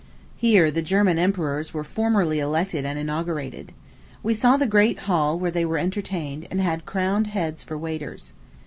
Here the German emperors were formerly elected and inaugurated. We saw the great hall where they were entertained and had crowned heads for waiters.